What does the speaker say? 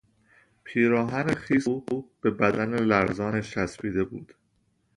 پیراهن خیس او به بدن لرزانش چسبیده بود.